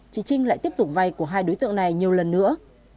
chị trinh lại tiếp tục vay của hai đối tượng này nhiều lần nữa